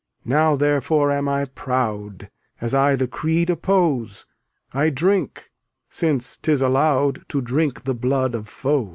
Now, therefore, am I proud; As I the creed oppose, I drink, since 'tis allowed To drink the blood of foes.